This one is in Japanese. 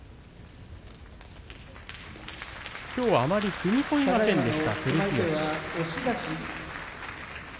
きょうは、あまり踏み込みませんでした照強。